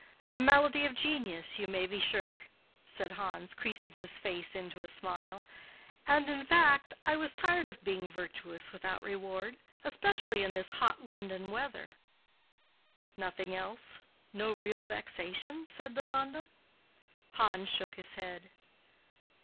A malady of genius, you may be sure," said Hans, creasing his face into a smile; "and, in fact, I was tired of being virtuous without reward, especially in this hot London weather." "Nothing else? No real vexation?" said Deronda. Hans shook his head.